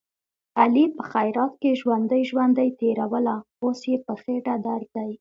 علي په خیرات کې ژوندۍ ژوندۍ تېروله، اوس یې په خېټه درد دی.